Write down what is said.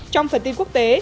trong phần tin quốc tế